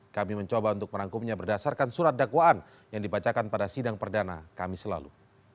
kami mencoba untuk merangkumnya berdasarkan surat dakwaan yang dibacakan pada sidang perdana kami selalu